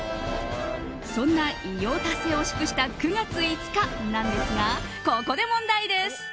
そんな偉業達成を祝した９月５日なんですがここで問題です！